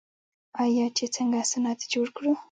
آیا چې څنګه صنعت جوړ کړو؟